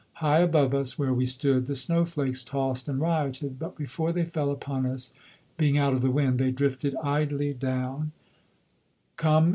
High above us where we stood the snow flakes tossed and rioted, but before they fell upon us being out of the wind, they drifted idly down, _come